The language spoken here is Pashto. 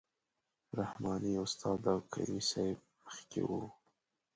رحماني استاد او کریمي صیب مخکې وو.